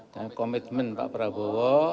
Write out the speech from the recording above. dan komitmen pak prabowo